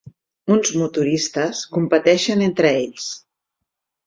Uns motoristes competeixen entre ells.